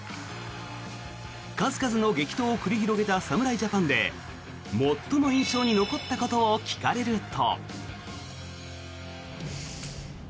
数々の激闘を繰り広げた侍ジャパンで最も印象に残ったことを聞かれると。